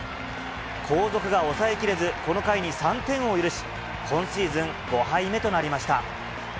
後続が抑えきれず、この回に３点を許し、今シーズン５敗目となりました。